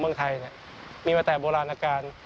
เมื่อแต่โบราณาการ